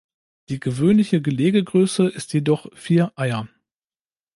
Die gewöhnliche Gelegegröße ist jedoch vier Eier.